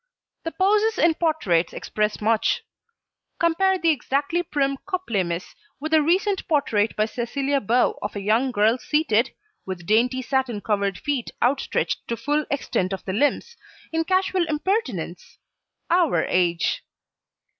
The poses in portraits express much. Compare the exactly prim Copley miss, with a recent portrait by Cecilia Beaux of a young girl seated, with dainty satin covered feet outstretched to full extent of the limbs, in casual impertinence, our age!